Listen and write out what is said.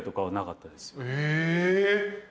え！